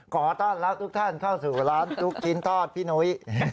ขอต้อนรับทุกท่านเข้าสู่ร้านลูกชิ้นทอดพี่นุ้ย